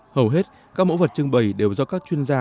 hầu hết các mẫu vật trưng bày đều do các chuyên gia